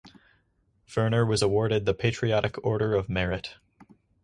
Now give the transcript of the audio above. Werner was awarded the Patriotic Order of Merit.